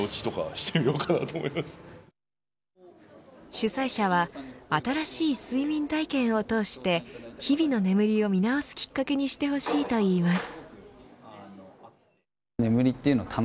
主催者は新しい睡眠体験を通して日々の眠りを見直すきっかけにしてほしいといいます。